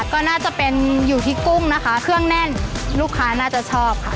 ก็น่าจะเป็นอยู่ที่กุ้งนะคะเครื่องแน่นลูกค้าน่าจะชอบค่ะ